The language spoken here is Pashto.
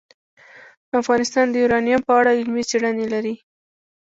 افغانستان د یورانیم په اړه علمي څېړنې لري.